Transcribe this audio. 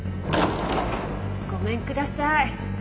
ごめんください。